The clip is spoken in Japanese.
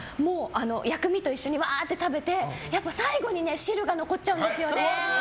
薬味と一緒にわーって食べてやっぱ最後に汁が残っちゃうんですよね。